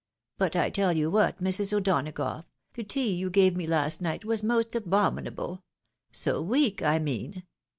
But I tell you what, Mrs. O'Donagough, the tea you gave me last night was most abominable — so weak, I mean.